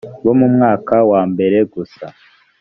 bo mu mwaka wa mbere gusa